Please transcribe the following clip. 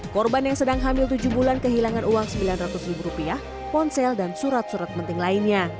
korban yang sedang hamil tujuh bulan kehilangan uang sembilan ratus ribu rupiah ponsel dan surat surat penting lainnya